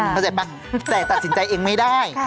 เข้าใจป่ะแต่ตัดสินใจเองไม่ได้